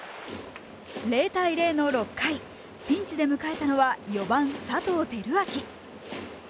０対０の６回、ピンチで迎えたのは４番・佐藤輝明